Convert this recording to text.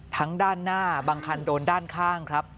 ด้านหน้าบางคันโดนด้านข้างครับ